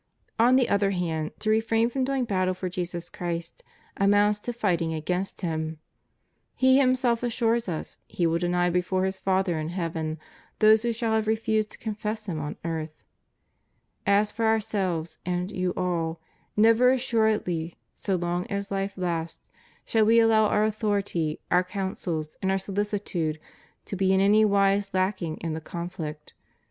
On the other hand, to refrain from doing battle for Jesus Christ, amounts to fighting against him; He Himself assures us He vnll deny before His Father in Heaven, those who shall have refused to confess Him on earth} As for Our selves and you all, never assuredly, so long as life lasts, shall We allow Our authority. Our counsels, and Our solicitude to be in any wise lacking in the conflict.